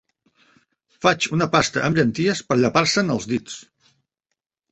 Faig una pasta amb llenties per llepar-se'n els dits.